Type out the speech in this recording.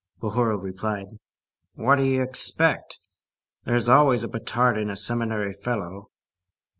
Bahorel replied:— "What do you expect? There's always a petard in a seminary fellow."